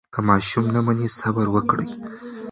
که ماشوم نه مني، صبر وکړئ.